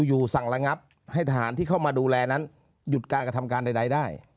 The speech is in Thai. สั่งระงับให้ทหารที่เข้ามาดูแลนั้นหยุดการกระทำการใดได้